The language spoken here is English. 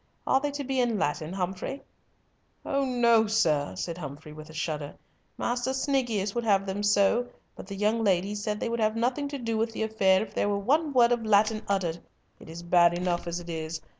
Are they to be in Latin, Humfrey?" "Oh no, sir," said Humfrey, with a shudder. "Master Sniggius would have had them so, but the young ladies said they would have nothing to do with the affair if there were one word of Latin uttered. It is bad enough as it is.